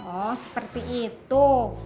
oh seperti itu